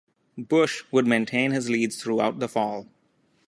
Bush would maintain his leads throughout the fall.